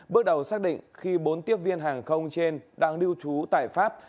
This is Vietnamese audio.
bước đầu xác định khi bốn tiếp viên hàng không trên đang lưu trú tại pháp